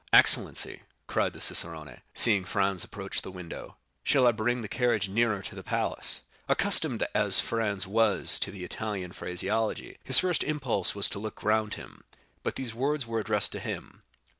"Excellency," cried the cicerone, seeing Franz approach the window, "shall I bring the carriage nearer to the palace?" Accustomed as Franz was to the Italian phraseology, his first impulse was to look round him, but these words were addressed to him.